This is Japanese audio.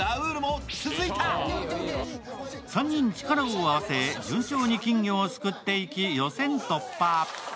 ３人、力を合わせ順調に金魚をすくっていき予選突破。